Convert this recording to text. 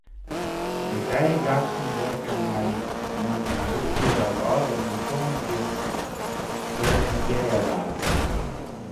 De trije gasten wurken mei oan in boekje dat ôfrûne tongersdei presintearre waard.